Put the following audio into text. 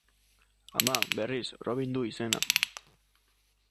Ama, berriz, Robin du izena.